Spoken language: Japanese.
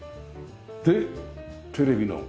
でテレビの。